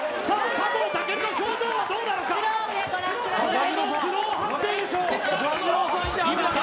佐藤健の表情はどうなのか。